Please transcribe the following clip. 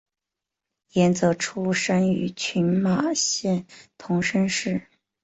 岩泽出生于群马县桐生市。